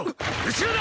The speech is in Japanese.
後ろだ！！